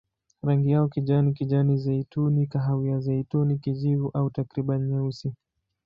Rangi yao kijani, kijani-zeituni, kahawia-zeituni, kijivu au takriban nyeusi.